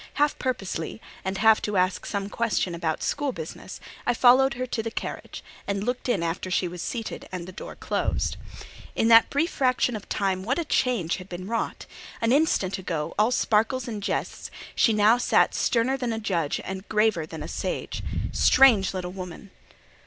Half purposely, and half to ask some question about school business, I followed her to the carriage, and looked in after she was seated and the door closed. In that brief fraction of time what a change had been wrought! An instant ago, all sparkles and jests, she now sat sterner than a judge and graver than a sage. Strange little woman!